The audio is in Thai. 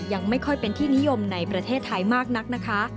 ยังไม่ค่อยเป็นที่นิยมในประเทศไทยมากนักนะคะ